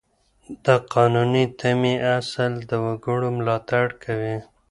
د قانوني تمې اصل د وګړو ملاتړ کوي.